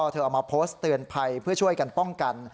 เอามาโพสต์เตือนภัยเพื่อช่วยกันป้องกัน